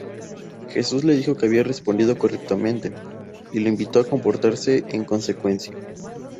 Jesús le dijo que había respondido correctamente y lo invitó a comportarse en consecuencia.